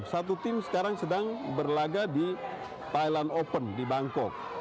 satu tim sekarang sedang berlaga di thailand open di bangkok